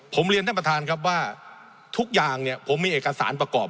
ผมเรียนท่านประธานครับว่าทุกอย่างเนี่ยผมมีเอกสารประกอบ